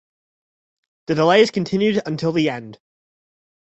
The delays continued until the end.